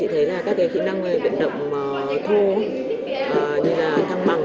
chị thấy các kỹ năng về vận động thô như là thăng bằng